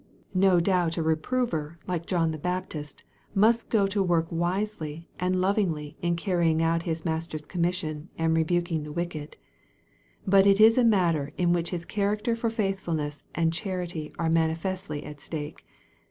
No doubt a reprover, like John the Baptist, must go to work wisely and lovingly in carrying out his Master's commission, and rebuking the wicked. But it is a matter in which his character for faithfulness and charity are manifestly at stake.